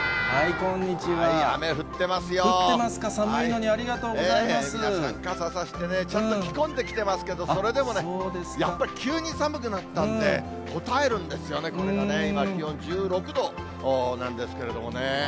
降ってますか、寒いのにあり傘差してね、ちゃんと着込んでますけれども、それでもね、やっぱり急に寒くなったんで、こたえるんですよね、これがね、今気温１６度なんですけれどもね。